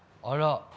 あら！